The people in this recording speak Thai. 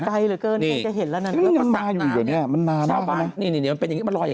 ไกลเหลือเกินจะเห็นแล้วนั้นมันมาอยู่อยู่นี่มันนาน่ะ